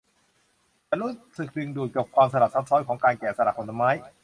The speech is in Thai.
ฉันรู้สึกดึงดูดกับความสลับซับซ้อนของการแกะสลักไม้